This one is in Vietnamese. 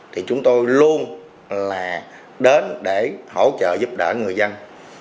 thì chúng tôi luôn là đến để hỗ trợ giúp đỡ người dân